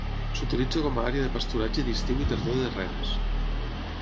S'utilitza com a àrea de pasturatge d'estiu i tardor de rens.